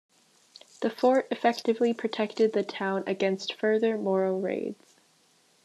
The fort effectively protected the town against further Moro raids.